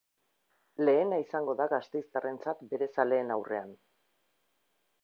Lehena izango da gasteiztarrentzat bere zaleen aurrean.